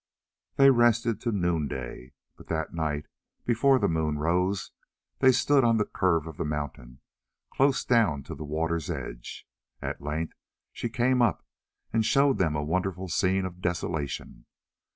They rested till noonday; but that night, before the moon rose, they stood on the curve of the mountain, close down to the water's edge. At length she came up, and showed them a wonderful scene of desolation.